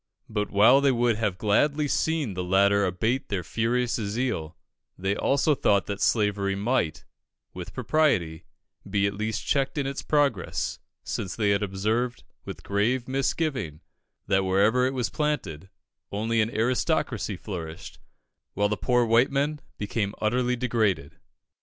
But while they would gladly have seen the latter abate their furious zeal, they also thought that slavery might, with propriety, be at least checked in its progress, since they had observed, with grave misgiving, that wherever it was planted, only an aristocracy flourished, while the poor white men became utterly degraded.